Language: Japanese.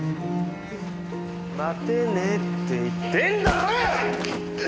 待てねえって言ってんだろ！